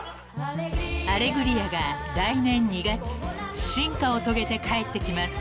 ［『アレグリア』が来年２月進化を遂げて帰ってきます］